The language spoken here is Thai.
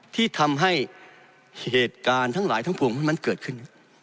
ที่ทำให้เหตุการณ์ทั้งหลายทั้งปวงมันเกิดขึ้น